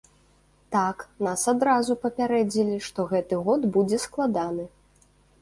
Так, нас адразу папярэдзілі, што гэты год будзе складаны.